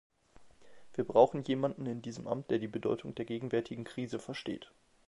Wir brauchen jemanden in diesem Amt, der die Bedeutung der gegenwärtigen Krise versteht.